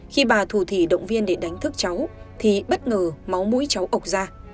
khi bà thù thỉ động viên để đánh thức cháu thì bất ngờ máu mũi cháu ộc ra